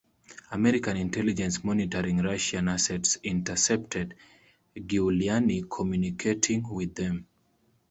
American intelligence monitoring Russian assets intercepted Giuliani communicating with them.